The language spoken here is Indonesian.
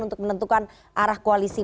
untuk menentukan arah koalisi